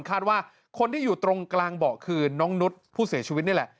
คาดว่าคนที่อยู่ตรงกลางเบาะคือน้องนุษย์ผู้เสียชีวิตนี่แหละ